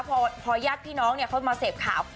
พอญาติพี่น้องเขามาเสพข่าว